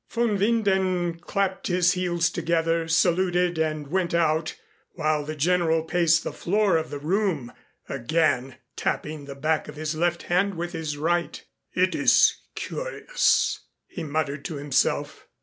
Von Winden clapped his heels together, saluted and went out while the General paced the floor of the room again tapping the back of his left hand with his right. "It is curious," he muttered to himself.